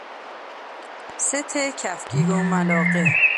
ست کفگیر و ملاقه